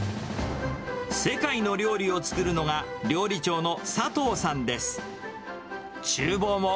世界の料理を作るのが、料理長の佐藤さんです。